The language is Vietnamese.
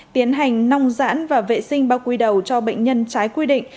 tiến hành nong giãn và vệ sinh bao quy đầu cho bệnh nhân trái quy định